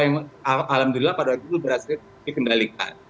yang alhamdulillah pada waktu itu berhasil dikendalikan